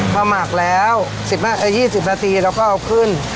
พอหมักแล้ว๒๐นาทีเราก็เอาขึ้น